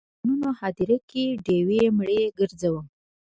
د ارمانونو هدیره کې ډیوې مړې ګرځوم